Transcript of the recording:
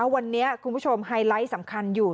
วันนี้คุณผู้ชมไฮไลท์สำคัญอยู่